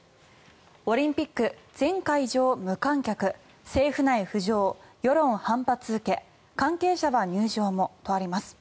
オリンピック、全会場無観客政府内浮上世論反発受け関係者は入場もとあります。